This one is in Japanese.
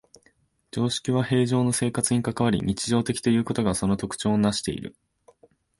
常識は平生の生活に関わり、日常的ということがその特徴をなしている。